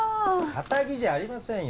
カタギじゃありませんよ。